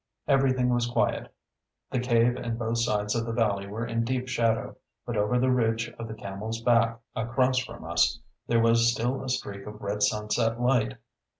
Everything was quiet. The cave and both sides of the valley were in deep shadow, but over the ridge of the Camel's Back across from us there was still a streak of red sunset light.